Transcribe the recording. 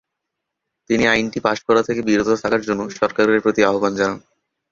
তিনি আইনটি পাস করা থেকে বিরত থাকার জন্য সরকারের প্রতি আহ্বান জানান।